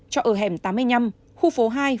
cho ở hẻm tám mươi năm khu phố hai